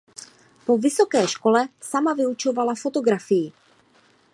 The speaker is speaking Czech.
Po vysoké škola sama vyučovala fotografii.